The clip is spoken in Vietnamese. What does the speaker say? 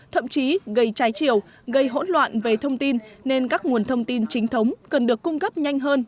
thậm chí gây trái chiều gây hỗn loạn về thông tin nên các nguồn thông tin chính thống cần được cung cấp nhanh hơn